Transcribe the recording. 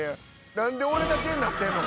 何で俺だけになってんの？